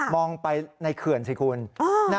องไปในเขื่อนสิคุณ